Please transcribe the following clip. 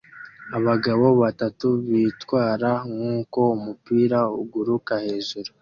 Abagabo batatu bitwara nkuko umupira uguruka hejuru